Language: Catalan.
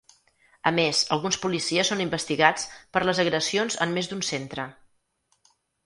A més, alguns policies són investigats per les agressions en més d’un centre.